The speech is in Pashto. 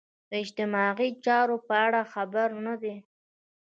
د اجتماعي چارو په اړه خبر نه دي.